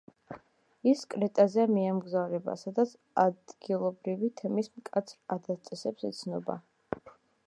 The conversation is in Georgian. ის კრეტაზე მიემგზავრება, სადაგ ადგილობრივი თემის მკაცრ ადათ-წესებს ეცნობა.